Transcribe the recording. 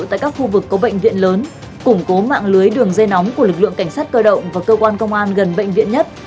tại các khu vực có bệnh viện lớn củng cố mạng lưới đường dây nóng của lực lượng cảnh sát cơ động và cơ quan công an gần bệnh viện nhất